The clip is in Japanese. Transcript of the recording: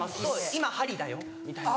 「今はりだよ」みたいな。